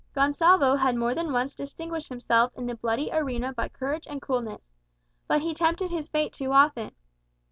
Gonsalvo had more than once distinguished himself in the bloody arena by courage and coolness. But he tempted his fate too often.